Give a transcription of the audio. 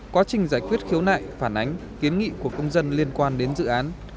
quá trình giải quyết khiếu nại phản ánh kiến nghị của công dân liên quan đến dự án